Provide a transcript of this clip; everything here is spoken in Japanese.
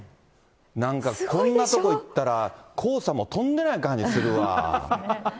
なんかこんなとこ行ったら、黄砂も飛んでない感じするわ。